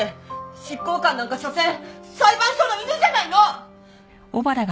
執行官なんかしょせん裁判所の犬じゃないの！